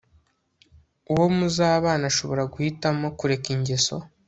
uwo muzabana ashobora guhitamo kureka ingeso